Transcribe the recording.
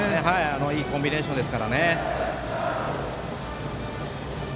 いいコンビネーションです。